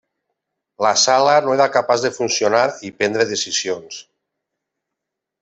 La Sala no era capaç de funcionar i prendre decisions.